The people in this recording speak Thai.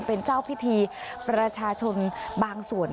เป็นเจ้าพิธีประชาชนบางส่วน